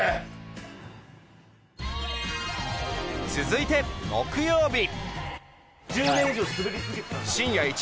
続いて木曜日。